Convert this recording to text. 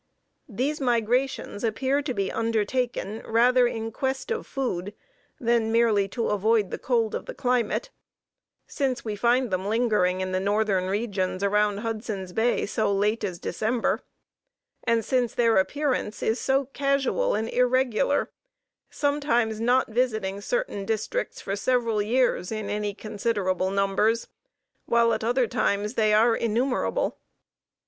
These migrations appear to be undertaken rather in quest of food, than merely to avoid the cold of the climate, since we find them lingering in the northern regions, around Hudson's Bay, so late as December; and since their appearance is so casual and irregular, sometimes not visiting certain districts for several years in any considerable numbers, while at other times they are innumerable.